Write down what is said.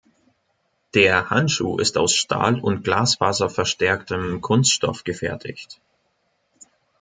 Der Handschuh ist aus Stahl und glasfaserverstärktem Kunststoff gefertigt.